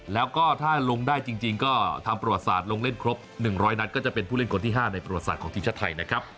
แล้วก็ถ้าลงได้จริงก็ทำประวัติศาสตร์ลงเล่นครบ๑๐๐นัดก็จะเป็นผู้เล่นคนที่๕ในประวัติศาสตร์ของทีมชาติไทยนะครับ